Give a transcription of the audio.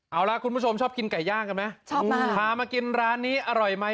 เอาล่ะคุณผู้ชมชอบกินไก่ย่างกันมั้ยชอบมากพามากินร้านนี้อร่อยมั้ย